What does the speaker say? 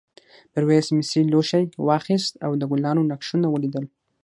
میرويس مسي لوښی واخیست او د ګلانو نقشونه ولیدل.